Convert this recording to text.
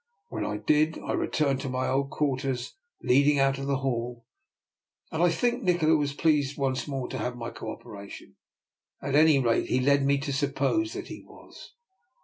When I did, I returned to my old quarters leading out of the hall, and I think Nikola was pleased to once more have my co operation — at any rate he led me to suppose that he was.